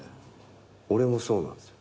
俺もそうなんですよ。